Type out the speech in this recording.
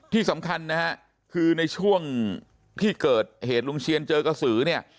ที่สำคัญนะฮะคือในช่วงที่เกิดเหตุลุงเชียนเจอกระสือเนี่ย